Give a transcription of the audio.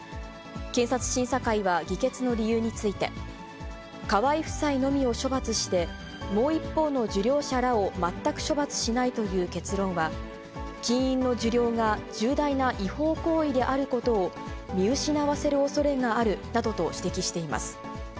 検察審査会は議決の理由について、河井夫妻のみを処罰して、もう一方の受領者らを全く処罰しないという結論は、金員の受領が重大な違法行為であることを見失わせるおそれがあるなどと指摘しています。